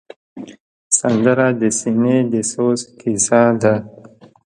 سندره د سینې د سوز کیسه ده